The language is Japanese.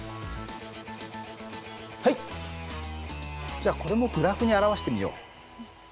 じゃこれもグラフに表してみよう。